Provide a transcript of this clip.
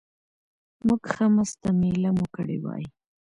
موږ ښه مسته مېله مو کړې وای.